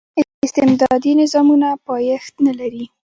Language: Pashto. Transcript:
استبدادي نظامونه پایښت نه لري.